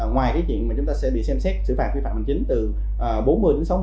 ngoài cái chuyện mà chúng ta sẽ bị xem xét xử phạt vi phạm bằng chính tường